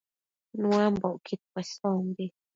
Nuambocquid cuesombi